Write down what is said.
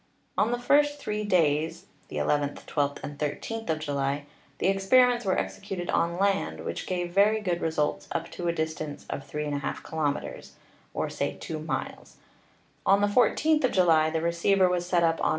On the first three days, viz., nth, 12th and 13th of July, the experiments were executed on land, which gave very good results up to a distance of 3^ kilometers, or say 2 miles; on the 14th of July the receiver was set up on.